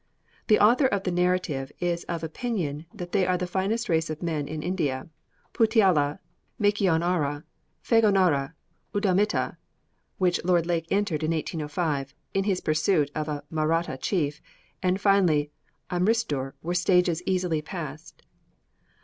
The author of the narrative is of opinion that they are the finest race of men in India. Puttiala, Makeonara, Fegonara, Oudamitta, which Lord Lake entered in 1805 in his pursuit of a Mahratta chief, and finally Amritsur were stages easily passed.